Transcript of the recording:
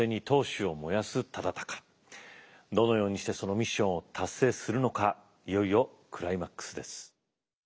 どのようにしてそのミッションを達成するのかいよいよクライマックスです。